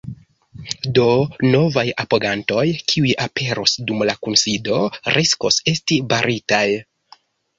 Do novaj apogantoj, kiuj aperos dum la kunsido, riskos esti baritaj.